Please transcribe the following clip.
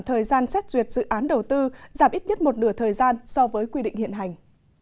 thời gian xét duyệt dự án đầu tư giảm ít nhất một nửa thời gian so với quy định hiện hành